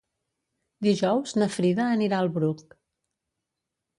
Dijous na Frida anirà al Bruc.